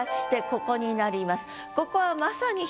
ここになります。